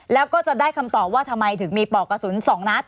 แล้วก็จะได้คำตอบว่าทำไมถึงมีปอกกระสุน๒นัด